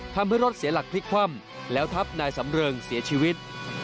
ทำให้รถเสียหลักพลิกคว่ำแล้วทับนายสำเริงเสียชีวิต